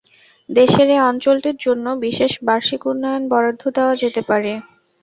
দেশের এ অঞ্চলটির জন্য বিশেষ বার্ষিক উন্নয়ন বরাদ্দ দেওয়া যেতে পারে।